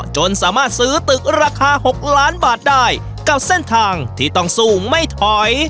จนสามารถซื้อตึกราคา๖ล้านบาทได้กับเส้นทางที่ต้องสู้ไม่ถอย